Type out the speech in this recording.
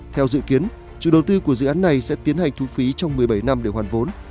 theo dự kiến chủ đầu tư của dự án này sẽ tiến hành thu phí trong một mươi bảy năm để hoàn vốn